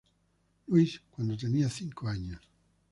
Louis cuando tenía cinco años.